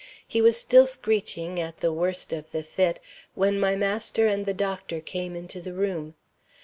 He was still screeching, at the worst of the fit, when my master and the doctor came into the room.